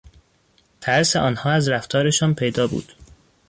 ترس آنها از رفتارشان پیدا بود.